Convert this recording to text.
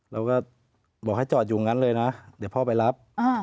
เราก็บอกให้จอดอยู่งั้นเลยนะเดี๋ยวพ่อไปรับ